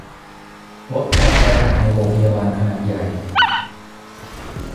ลดความแออัดในโรงพยาบาลขนาดใหญ่